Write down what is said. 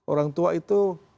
orang tua itu